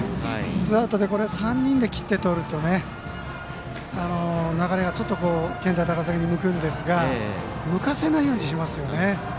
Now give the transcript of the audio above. ツーアウトで３人で切ってとると、流れが健大高崎に向くんですが向かせないようにしますよね。